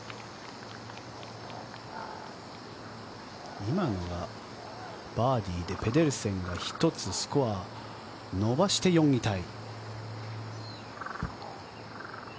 今のがバーディーでペデルセンが１つスコアを伸ばして４位タイ。